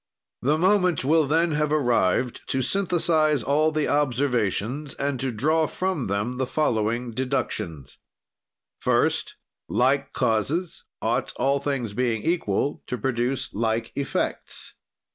"The moment will then have arrived to synthesize all the observations and to draw from them the following deductions: "First, like causes ought, all things being equal, to produce like effects.